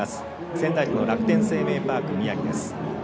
仙台市の楽天生命パーク宮城です。